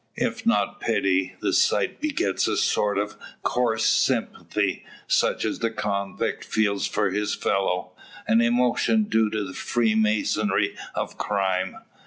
If not pity, the sight begets a sort of coarse sympathy, such as the convict feels for his fellow; an emotion due to the freemasonry of crime.